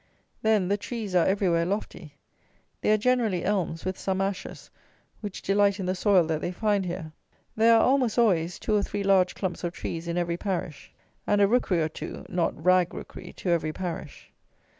Then, the trees are everywhere lofty. They are generally elms, with some ashes, which delight in the soil that they find here. There are, almost always, two or three large clumps of trees in every parish, and a rookery or two (not rag rookery) to every parish.